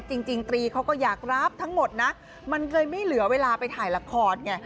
จริงตรีเขาก็อยากรับทั้งหมดนะมันเลยไม่เหลือเวลาไปถ่ายละครไง